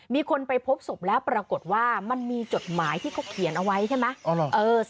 มีคนไปพบศพแล้วปรากฏว่ามันมีจดหมายที่เขาเขียนเอาไว้ใช่ไหม